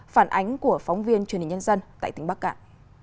phản ánh của phóng viên truyền hình nhân dân tại tỉnh bắc cạn